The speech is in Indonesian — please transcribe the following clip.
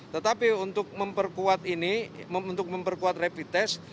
tetapi untuk memperkuat ini untuk memperkuat rapid test